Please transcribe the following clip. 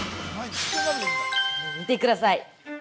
見てください。